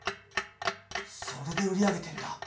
それで売り上げてんだ。